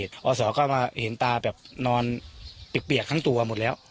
อสศก็เห็นตานอนเบียกทั้งตัวมันแล้ว